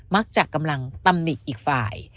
มักจะกำลังตำหนิอีกฝ่าย